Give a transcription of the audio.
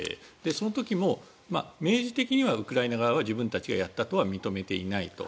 その時も明示的にはウクライナ側は自分たちがやったとは認めていないと。